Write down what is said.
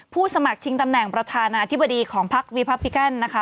สมัครชิงตำแหน่งประธานาธิบดีของพักวีพับพิกันนะคะ